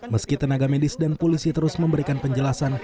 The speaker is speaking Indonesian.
meski tenaga medis dan polisi terus memberikan penjelasan